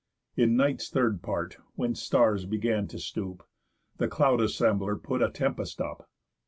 In night's third part, when stars began to stoop, The Cloud assembler put a tempest up.